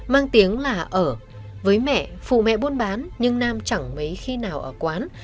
mang tiếng là ở với mẹ phụ mẹ buôn bán nhưng nam chẳng mấy khi nào ở quán